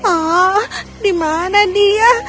oh dimana dia